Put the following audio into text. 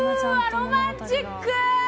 ロマンチック！